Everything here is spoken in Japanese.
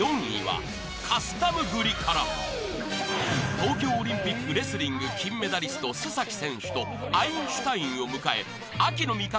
［東京オリンピックレスリング金メダリスト須選手とアインシュタインを迎え秋の味覚］